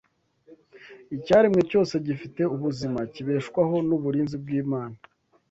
icyaremwe cyose gifite ubuzima kibeshwaho n’uburinzi bw’Imana.